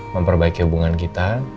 memperbaiki hubungan kita